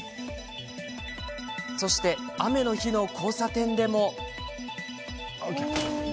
そして、雨の日の交差点でも。